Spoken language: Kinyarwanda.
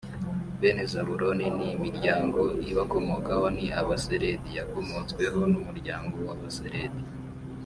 bene zabuloni l n imiryango ibakomokaho ni aba seredi yakomotsweho n umuryango w ab aseredi